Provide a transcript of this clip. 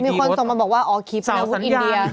แล้วแต่มีคนส่งมาบอกว่าออร์คิปแนวอินเดีย